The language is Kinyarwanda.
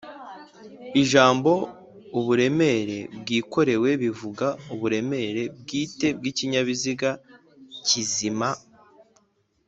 ijambo’’uburemere bwikorewe’’bivuga uburemere bwite bw’ikinyabiziga kizima